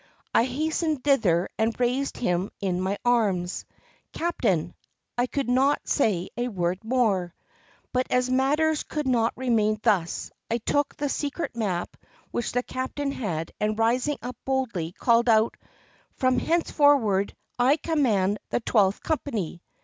I hastened thither and raised him in my arms. "Captain!" I could not say a word more. But as matters could not remain thus, I took the secret map which the captain had, and, rising up boldly, called out, "From henceforward I command the Twelfth Company."